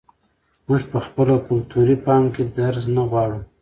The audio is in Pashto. موږ په خپله کلتوري پانګه کې درز نه غواړو.